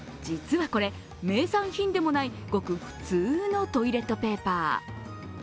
実はこれ、名産品でもない、ごく普通のトイレットペーパー。